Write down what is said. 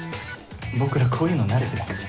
僕らこういうの慣れてなくて。